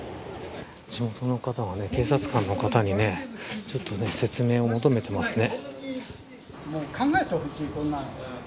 地元の方は警察官の方にちょっと説明を求めてますね。